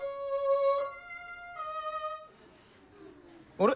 あれ？